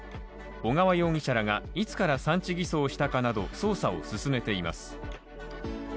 小川容疑者らがいつから産地偽装をしたかなど捜査を進めています。